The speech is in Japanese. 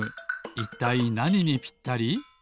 いったいなににぴったり？